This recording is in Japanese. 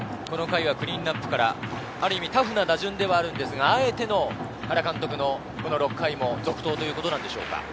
この回はクリーンナップからある意味タフな打順ではあるんですが、あえての原監督の６回の続投ということなんでしょうか？